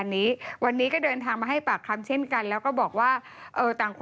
นี่ฉันไปทองหล่อฉันขำมาก